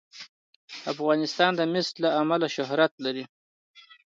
افغانستان د مس له امله شهرت لري.